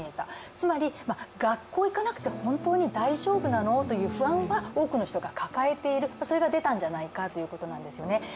つまり、学校に行かなくても本当に大丈夫なのという不安を多くの人が抱えている、それが出たんじゃないかということなんですね。